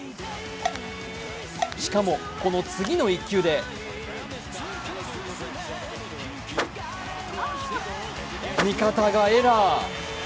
しかも、この次の１球で味方がエラー。